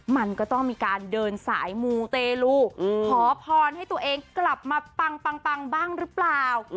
มันก็ต้องมีการเดินสายมูเตลูขอพรให้ตัวเองกลับมาปังบ้างหรือเปล่า